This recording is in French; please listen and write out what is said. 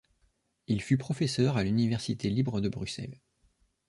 Il fut professeur à l'Université libre de Bruxelles.